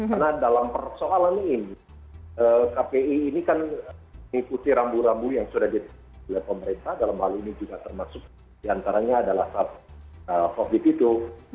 karena dalam persoalan ini kpi ini kan mengikuti rambu rambu yang sudah dilihat pemerintah dalam hal ini juga termasuk diantaranya adalah satgas covid itu